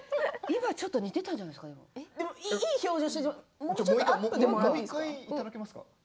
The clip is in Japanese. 今、ちょっと似てたんじゃないですか？